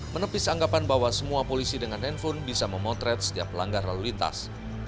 menepis anggapan bahwa semua polisi dengan handphone bisa memotret setiap pelanggar lalu lintas